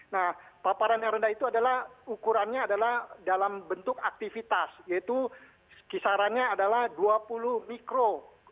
nah paparan yang rendah itu adalah ukurannya adalah dalam bentuk aktivitas yaitu kisarannya adalah dua puluh mikro